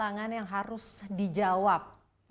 tantangan yang harus dijawab